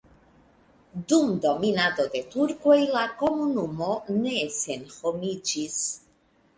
Dum dominado de turkoj la komunumo ne senhomiĝis.